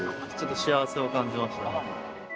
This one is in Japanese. ちょっと幸せを感じました。